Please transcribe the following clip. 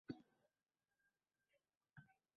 Oq soqolin siladi.